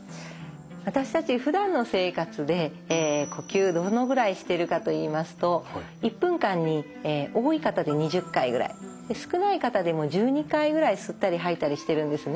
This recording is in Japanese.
私たちふだんの生活で呼吸どのぐらいしてるかといいますと１分間に多い方で２０回ぐらい少ない方でも１２回ぐらい吸ったり吐いたりしてるんですね。